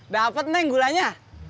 dapet nih gulanya